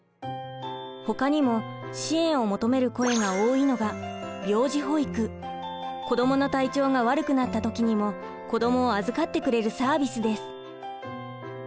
ほかにも支援を求める声が多いのが子どもの体調が悪くなった時にも子どもを預かってくれるサービスです。